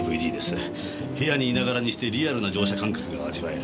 部屋にいながらにしてリアルな乗車感覚が味わえる。